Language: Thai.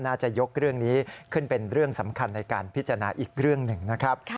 น่าจะยกเรื่องนี้ขึ้นเป็นเรื่องสำคัญในการพิจารณาอีกเรื่องหนึ่งนะครับ